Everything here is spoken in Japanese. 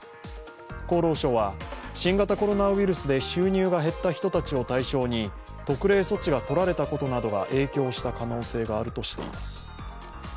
厚労省は、新型コロナウイルスで収入が減った人たちを対象に特例措置がとられたことなどが影響した可能性があるとしています。